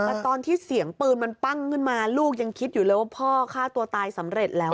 แต่ตอนที่เสียงปืนมันปั้งขึ้นมาลูกยังคิดอยู่เลยว่าพ่อฆ่าตัวตายสำเร็จแล้ว